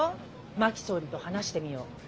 「真木総理と話してみよう」。